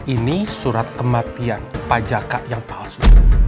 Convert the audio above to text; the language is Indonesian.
ini surat kematian pak jaka yang palsu